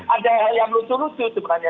ada hal yang lucu lucu sebenarnya